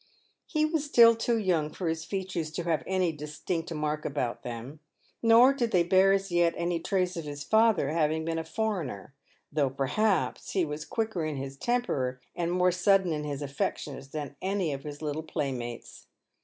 He was still too young for his features to have any distinct mark about them ; nor did* they bear as yet any trace of his father having been a foreigner ; though, perhaps, he was quicker in his temper and more sudden in his affections than any of his little playmates.